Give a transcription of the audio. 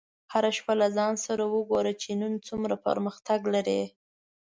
هره شپه له ځان سره وګوره چې نن څومره پرمختګ لرې.